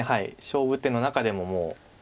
勝負手の中でももう。